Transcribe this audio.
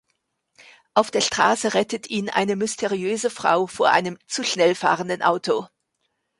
Auf der Straße rettet ihn eine mysteriöse Frau, vor einem zu schnell fahrenden Auto.